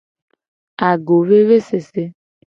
Agovevesese.